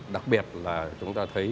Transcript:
đặc biệt là chúng ta thấy